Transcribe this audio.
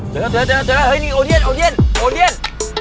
เจอแล้วเจอแล้วเจอแล้วเฮ้ยโอเดียนโอเดียนโอเดียน